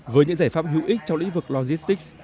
với những giải pháp hữu ích trong lĩnh vực logistics